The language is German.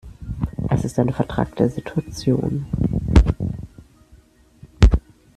Es ist eine vetrackte Situation.